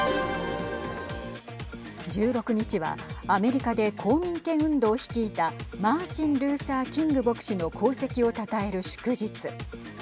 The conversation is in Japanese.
１６日はアメリカで公民権運動を率いたマーチン・ルーサー・キング牧師の功績をたたえる祝日。